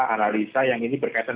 analisa yang ini berkaitan